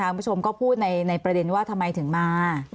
คุณผู้ชมก็พูดในประเด็นว่าทำไมถึงมา